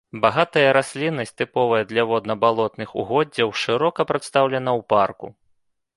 Багатая расліннасць, тыповая для водна-балотных угоддзяў, шырока прадстаўлена ў парку.